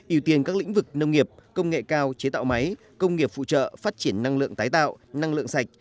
ưu tiên các lĩnh vực nông nghiệp công nghệ cao chế tạo máy công nghiệp phụ trợ phát triển năng lượng tái tạo năng lượng sạch